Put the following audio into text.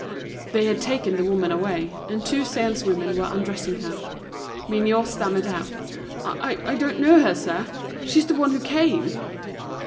They had taken the woman away, and two saleswomen were undressing her. Mignot stammered out: "I don't know her, sir. She's the one who came."